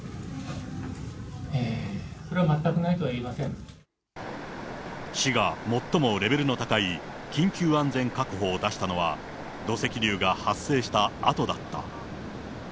それは全くないとは言えませ市が最もレベルの高い緊急安全確保を出したのは、土石流が発生したあとだった。